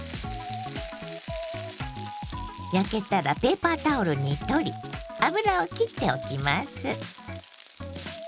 焼けたらペーパータオルに取り油をきっておきます。